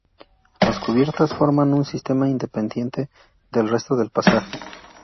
Las cubiertas forman un sistema independiente del resto del pasaje.